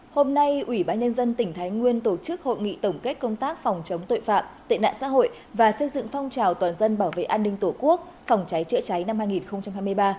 hôm nay ủy ban nhân dân tỉnh thái nguyên tổ chức hội nghị tổng kết công tác phòng chống tội phạm tệ nạn xã hội và xây dựng phong trào toàn dân bảo vệ an ninh tổ quốc phòng cháy chữa cháy năm hai nghìn hai mươi ba